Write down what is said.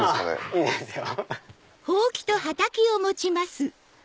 いいですよ。